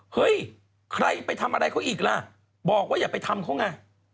เฮ้ยใครไปทำอะไรเขาอีกล่ะบอกว่าอย่าไปทำเขาไง